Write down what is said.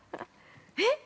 えっ？